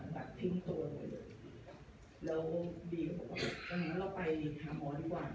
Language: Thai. แบบทิ้งตัวเลยแล้วบีก็บอกว่าถ้างั้นเราไปนินทามอสดีกว่า